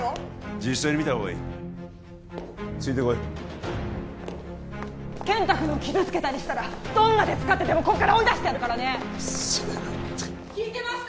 実際に見た方がいいついてこい健太君を傷つけたりしたらどんな手使ってでもここから追い出してやるからねうるせえな聞いてますか！？